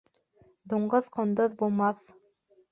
Дуңғыҙ ҡондоҙ булмаҫ.